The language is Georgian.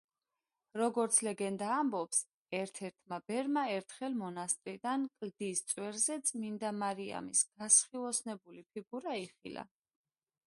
როგორც ლეგენდა ამბობს, ერთ-ერთმა ბერმა ერთხელ მონასტრიდან კლდის წვერზე წმინდა მარიამის გასხივოსნებული ფიგურა იხილა.